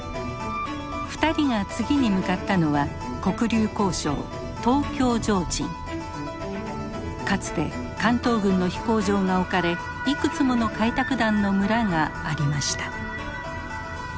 ２人が次に向かったのはかつて関東軍の飛行場が置かれいくつもの開拓団の村がありました。